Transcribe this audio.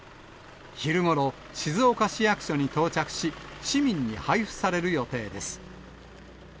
昼ごろ、静岡市役所に到着し、市民に配布される予定です。